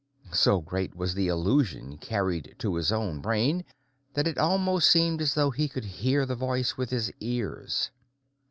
So great was the illusion carried to his own brain that it almost seemed as though he could hear the voice with his ears.